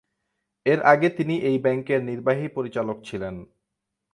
এর আগে তিনি এই ব্যাংকের নির্বাহী পরিচালক ছিলেন।